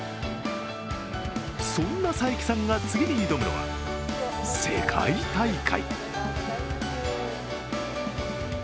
そんな佐伯さんが次に挑むのは世界大会。